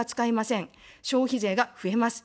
消費税が増えます。